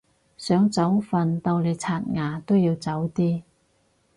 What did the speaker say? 想早瞓到你刷牙都要早啲